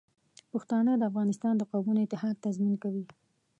پښتانه د افغانستان د قومونو اتحاد تضمین کوي.